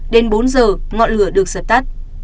đến bốn giờ ngọn lửa được dập tắt